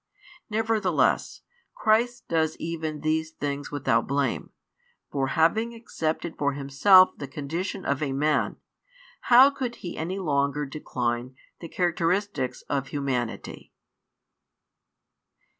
Nevertheless, |128 Christ does even these things without blame; for having accepted for Himself the condition of a Man, how could He any longer decline the characteristics of humanity?